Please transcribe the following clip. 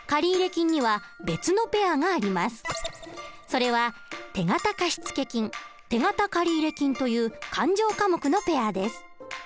それは手形貸付金手形借入金という勘定科目のペアです。